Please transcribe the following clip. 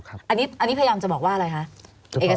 อันนี้พยายามจะบอกว่าอะไรคะ